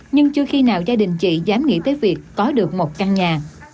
nhưng chưa khi nào gia đình chị dám nghĩ tới việc có được một căn nhà